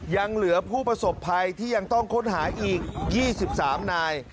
ยังเหลือผู้ประสบภัยที่ยังต้องค้นหาอีก๒๓นาย